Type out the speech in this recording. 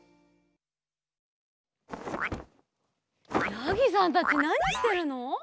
やぎさんたちなにしてるの？